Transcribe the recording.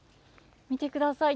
見てください。